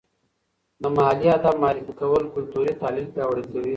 د محلي ادب معرفي کول کلتوري تحلیل پیاوړی کوي.